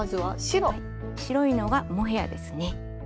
白いのがモヘアですね。